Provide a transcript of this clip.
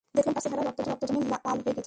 দেখলেন, তার চেহারায় রক্ত জমে তা লাল হয়ে গেছে।